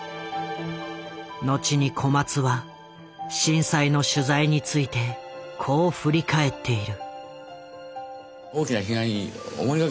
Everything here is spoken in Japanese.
後に小松は震災の取材についてこう振り返っている。